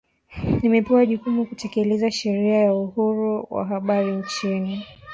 Imepewa jukumu kutekeleza Sheria ya Uhuru wa Habari nchini